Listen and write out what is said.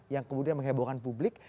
yang kemudian menghebohkan publik